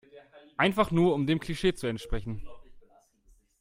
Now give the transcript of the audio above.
Einfach nur um dem Klischee zu entsprechen.